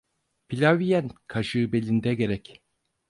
Pilav yiyen, kaşığı belinde gerek.